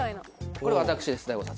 これ私です大悟さん